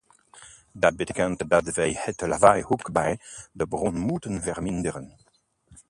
Dat betekent dat wij het lawaai ook bij de bron moeten verminderen.